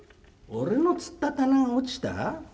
「俺のつった棚が落ちた？